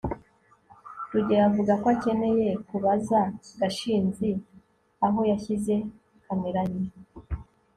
rugeyo avuga ko akeneye kubaza gashinzi aho yashyize kamera ye